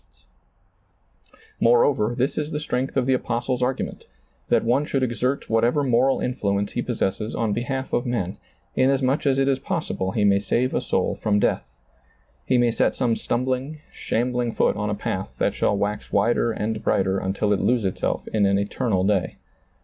^lailizccbvGoOgle THE VALUE OF THE SOUL 137 Moreover, this is the strength of the apostle's ai^ument, that one should exert whatever moral influence he possesses on behalf of men, inas much as it is possible he may save a soul from death; he may set some stumbling, shambling foot on a path that shall wax wider and brighter until it lose itself in an eternal day.